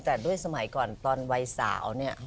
แต่ด้วยสมัยก่อนตอนวัยสาวเนี่ย